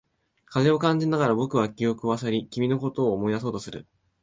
風を感じながら、僕は記憶を漁り、君のことを思い出そうとする。